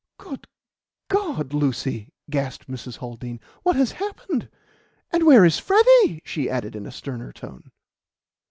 "Good God, Lucy!" gasped Mrs. Haldean. "What has happened? And where is Freddy?" she added in a sterner tone.